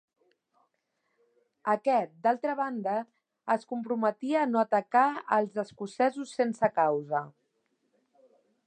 Aquest, d'altra banda, es comprometia a no atacar els escocesos sense causa.